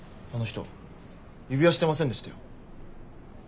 あの人指輪してませんでしたよ。